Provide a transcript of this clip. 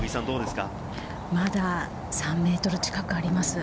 まだ３ｍ近くあります。